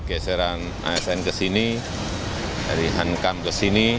geseran asn ke sini dari hankam ke sini